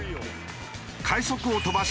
快足を飛ばし